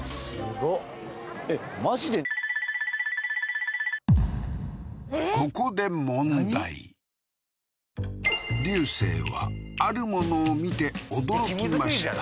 ごっここで流星はあるものを見て驚きました